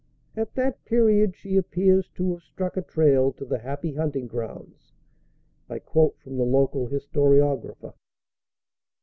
At that period she appears to have struck a trail to the Happy Hunting Grounds. I quote from the local historiographer.